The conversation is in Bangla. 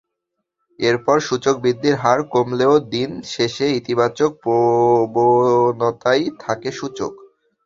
এরপর সূচক বৃদ্ধির হার কমলেও দিন শেষে ইতিবাচক প্রবণতায় থাকে সূচক।